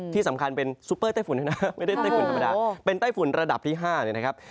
ที่สำคัญเป็นซุปเปอร์ไต้ฝุ่นด้วยนะไม่ได้ไต้ฝุ่นธรรมดาเป็นไต้ฝุ่นระดับที่๕เลยนะครับ